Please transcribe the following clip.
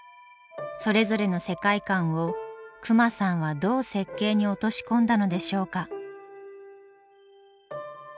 それぞれの世界観を隈さんはどう設計に落とし込んだのでしょうか？